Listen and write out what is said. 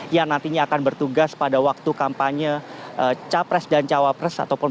yang nantinya akan bertugas pada waktu kampanye capres dan cawapres